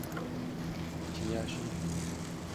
最常见的离心泵例如水泵。